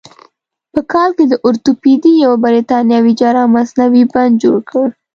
په کال کې د اورتوپیدي یو برتانوي جراح مصنوعي بند جوړ کړ.